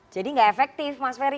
jadi gak efektif mas ferry